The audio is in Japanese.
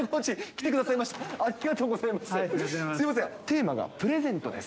テーマがプレゼントです。